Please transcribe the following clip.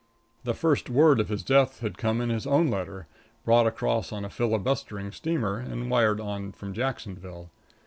The first word of his death had come in his own letter, brought across on a filibustering steamer and wired on from Jacksonville.